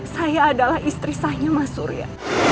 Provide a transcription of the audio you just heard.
saya adalah istri sahnya mas surya